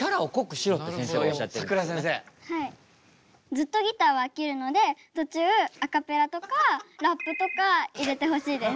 ずっとギターは飽きるので途中アカペラとかラップとか入れてほしいです。